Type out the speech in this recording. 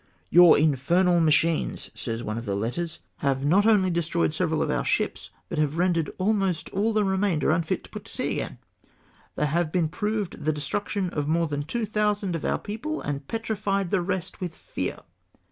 ' Your infernal machines,' says one of the letters, ' have not only destroyed OPINION OP NAPOLEON. 421 several of our ships, but they have rendered almost all the remainder unfit to put to sea again. They have proved the destruction of more than 2000 of our people, (?) and 'petrified the rest luith fear.